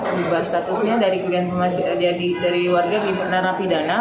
berubah statusnya dari warga misi narapidana